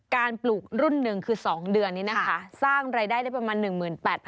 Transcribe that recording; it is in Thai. ปลูกรุ่นหนึ่งคือ๒เดือนนี้นะคะสร้างรายได้ได้ประมาณ๑๘๐๐๐